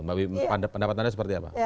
mbak wi pendapatan anda seperti apa